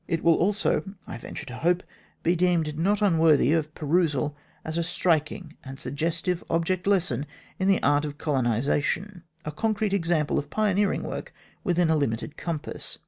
It will also, I venture to hope, be deemed not unworthy of perusal as a striking and suggestive object lesson in the art of colonisation a concrete example of pioneering work within a limited compass.